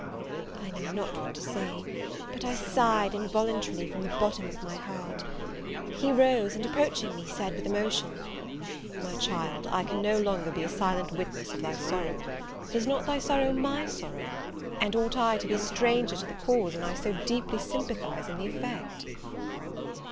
I knew not what to say; but I sighed involuntarily from the bottom of my heart. He rose, and approaching me, said, with emotion, "My child, I can no longer be a silent witness of thy sorrow, is not thy sorrow my sorrow? and ought I to be a stranger to the cause, when I so deeply sympathize in the effect?"